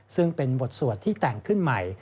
ซึ่งเป็นบทสวดที่แต่งขึ้นใหม่